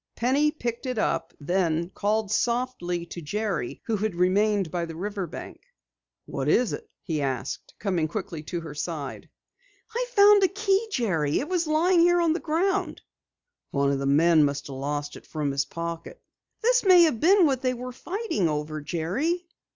Penny picked it up, then called softly to Jerry who had remained by the river bank. "What is it?" he asked, coming quickly to her side. "I've found a key, Jerry! It was lying here on the ground." "One of the men must have lost it from his pocket." "This may have been what they were fighting over, Jerry!"